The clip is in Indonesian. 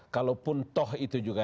kalaupun toh itu juga